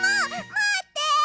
まって！